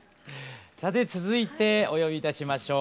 さて続いてお呼びいたしましょう。